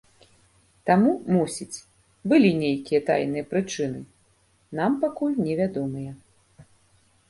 Таму, мусіць, былі нейкія тайныя прычыны, нам пакуль невядомыя.